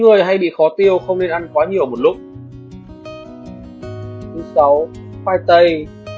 người hay bị khó tiêu không nên ăn quá nhiều một lúc thứ sáu khoai tây